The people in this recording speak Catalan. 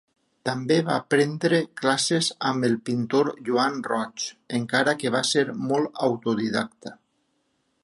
També va prendre classes amb el pintor Joan Roig, encara que va ser molt autodidacta.